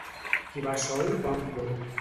Qui va sol, va on vol.